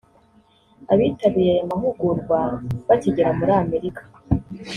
Abitabiriye aya mahugurwa bakigera muri Amerika